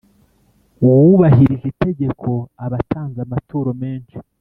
Uwubahirije itegeko aba atanze amaturo menshi,